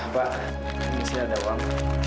pak ini saya ada uang